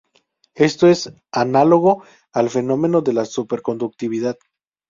Esto es análogo al fenómeno de la superconductividad.